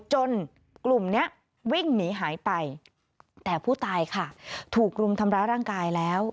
กลุ่มนี้วิ่งหนีหายไปแต่ผู้ตายค่ะถูกรุมทำร้ายร่างกายแล้ว